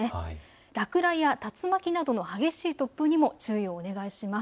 落雷や竜巻などの激しい突風にも注意をお願いします。